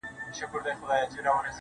صبر انسان آراموي.